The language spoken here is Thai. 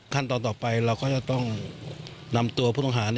ขั้นตอนต่อไปเราก็จะต้องนำตัวผู้ต้องหา